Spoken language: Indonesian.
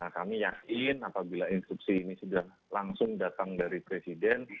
kami yakin apabila instruksi ini sudah langsung datang dari presiden